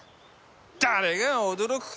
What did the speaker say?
誰が驚くか！